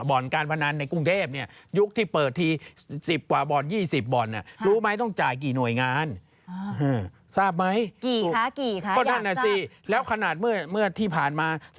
บ่อนการพนันในกรุงเทพเนี่ยยุคที่เปิดที๑๐กว่าบ่อน๒๐บ่อนเนี่ย